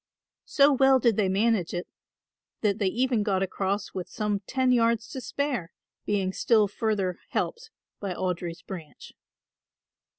So well did they manage it that they even got across with some ten yards to spare, being still further helped by Audry's branch.